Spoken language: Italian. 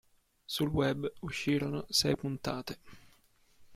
Sul web uscirono sei puntate.